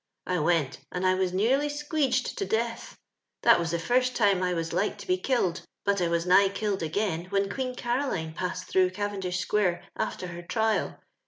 I went, and I was nearly 8(iueegod to death. •* That was the first time I was like to bo killed, but I was ni^h killed again when Queen CaroHno passed througli Cavendish square uft»r her trial.